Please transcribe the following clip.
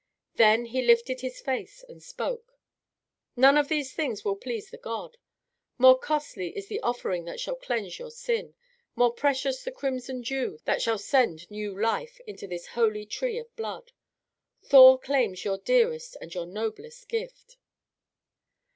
Then he lifted his face and spoke. "None of these things will please the god. More costly is the offering that shall cleanse your sin, more precious the crimson dew that shall send new life into this holy tree of blood. Thor claims your dearest and your noblest gift."